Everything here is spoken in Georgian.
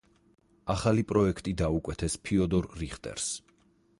ახალი პროექტი დაუკვეთეს ფიოდორ რიხტერს.